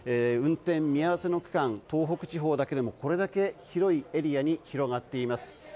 運転見合わせの区間東北地方だけでもこれだけ広いエリアに広がっています。